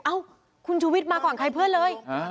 เอ้าคุณชูวิทย์มาก่อนใครเพื่อนเลย